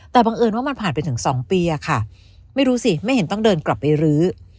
แต่บังเอิญว่ามันผ่านไปถึง๒ปีอะค่ะไม่รู้สิไม่เห็นต้องเดินกลับไปรื้อ